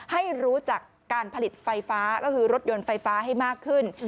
ให้รู้จักการผลิตไฟฟ้าก็คือรถยนต์ไฟฟ้าให้มากขึ้น